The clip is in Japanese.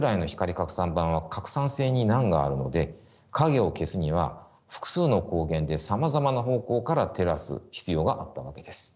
拡散板は拡散性に難があるので影を消すには複数の光源でさまざまな方向から照らす必要があったわけです。